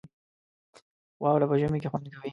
واوره په ژمي کې خوند کوي